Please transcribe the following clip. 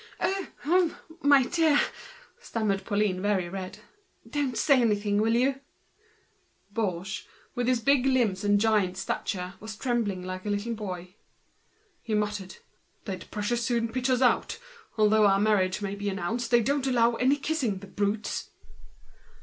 "Oh! my dear," stammered Pauline, very red, "don't say anything, will you?" Baugé, with his big limbs and giant proportions, was trembling like a little boy. He murmured, "They'd very soon pitch us out. Though our marriage may be announced, they don't allow any kissing, the animals!"